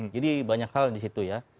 banyak hal di situ ya